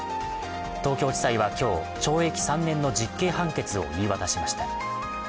東京地裁は今日、懲役３年の実刑判決を言い渡しました。